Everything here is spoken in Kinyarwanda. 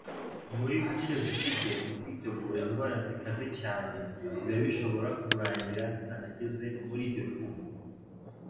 muri bucye zifite – mu kwitegura indwara zikaze cyane biba bishobora kurangira zitanageze muri ibyo bihugu.